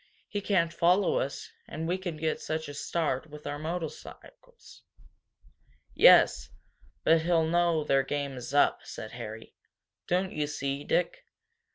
"He can't follow us and we can get such a start with our motorcycles." "Yes, but he'll know their game is up," said Harry. "Don't you see, Dick?